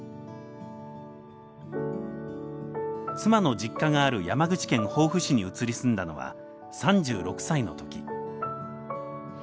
妻の実家がある山口県防府市に移り住んだのは３６歳の時。